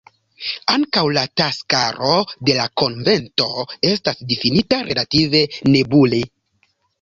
Ankaŭ la taskaro de la konvento estas difinita relative nebule.